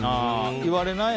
言われない？